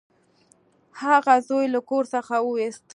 هغه زوی له کور څخه وویست.